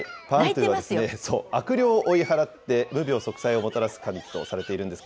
パーントゥは、悪霊を追い払って、無病息災をもたらす神とされているんです